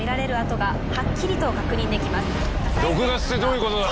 毒ガスってどういうことだ。